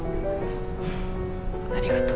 ありがと。